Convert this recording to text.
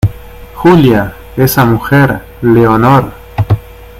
Julia, esa mujer , Leonor